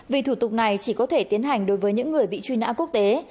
vì thủ tục này chỉ có thể tiến hành đối với những người bị truy nã quốc tế